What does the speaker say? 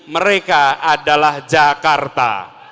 mereka adalah jakarta